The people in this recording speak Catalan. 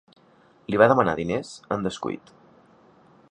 Li va demanar diners en descuit.